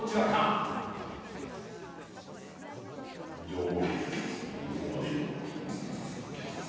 情報量でどこまでいけるか。